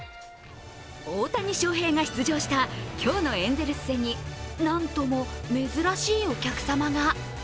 大谷翔平が出場した今日のエンゼルス戦になんとも珍しいお客様が。